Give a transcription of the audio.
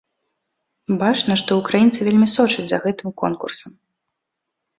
Бачна, што ўкраінцы вельмі сочаць за гэтым конкурсам.